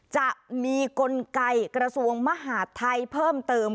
จะมีกลไกกระทรวงมหาดไทยเพิ่มเติม